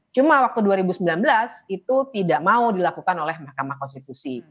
cuma waktu dua ribu sembilan belas itu tidak mau dilakukan oleh mahkamah konstitusi